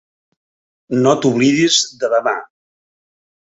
No t'oblidis de demà.